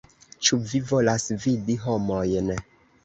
Ĉu vi volas vidi homojn?